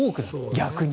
逆に。